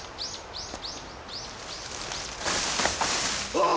ああ！？